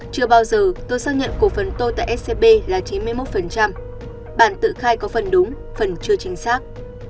chưa bao giờ tôi xác nhận cổ phần tôi tại scb là chín mươi một bản tự khai có phần đúng phần chưa chính xác